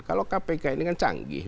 kalau kpk ini kan canggih